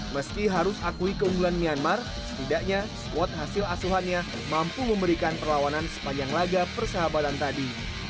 meski harus akui keunggulan myanmar setidaknya squad hasil asuhannya mampu memberikan perlawanan sepanjang laga persahabatan tadi